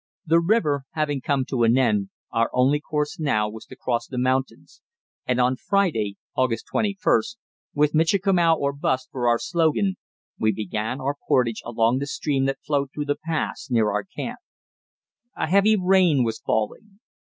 The river having come to an end, our only course now was to cross the mountains, and on Friday (August 21), with "Michikamau or Bust!" for our slogan, we began our portage along the stream that flowed through the pass near our camp. A heavy rain was falling.